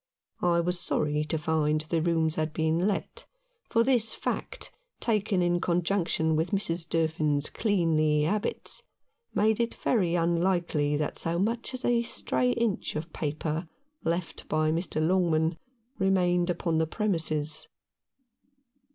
I was sorry to find the rooms had been let — for this fact, taken in conjunction with Mrs. Durfin's cleanly habits, made it very unlikely that so much as a stray inch of paper left by Mr. Longman remained upon the premises.